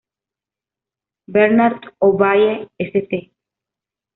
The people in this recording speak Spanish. Bernard o baie St.